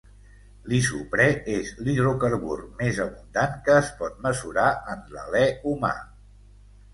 L'isoprè és l'hidrocarbur més abundant que es pot mesurar en l'alè humà.